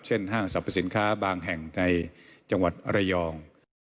ห้างสรรพสินค้าบางแห่งในจังหวัดระยอง